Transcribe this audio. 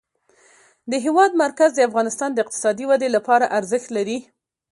د هېواد مرکز د افغانستان د اقتصادي ودې لپاره ارزښت لري.